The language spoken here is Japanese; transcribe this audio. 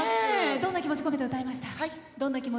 どんな気持ち込めて歌いました？